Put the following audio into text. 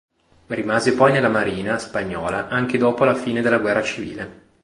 Rimase poi nella Marina spagnola anche dopo la fine della guerra civile.